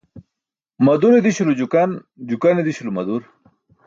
Madure di̇śulo jukan, jukane di̇śulo madur.